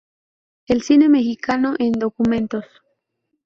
El cine mexicano en documentos.